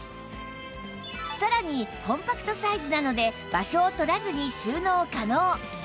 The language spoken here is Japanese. さらにコンパクトサイズなので場所を取らずに収納可能